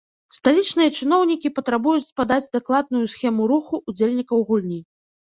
Сталічныя чыноўнікі патрабуюць падаць дакладную схему руху ўдзельнікаў гульні.